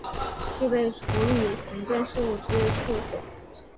具备处理行政事务之处所